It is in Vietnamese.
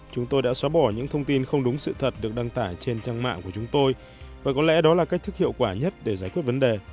chúng tôi đã xóa bỏ những thông tin không đúng sự thật được đăng tải trên trang mạng của chúng tôi và có lẽ đó là cách thức hiệu quả nhất để giải quyết vấn đề